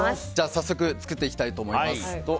早速作っていきたいと思います。